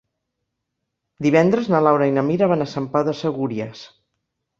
Divendres na Laura i na Mira van a Sant Pau de Segúries.